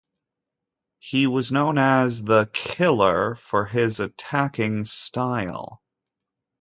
He was known as the "Killer" for his attacking style.